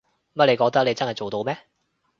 乜你覺得你真係做到咩？